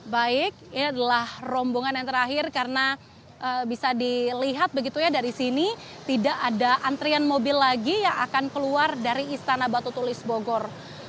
baik ini adalah rombongan yang terakhir karena bisa dilihat begitu ya dari sini tidak ada antrian mobil lagi yang akan keluar dari istana batu tulis bogor